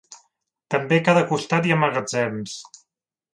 També a cada costat hi ha magatzems.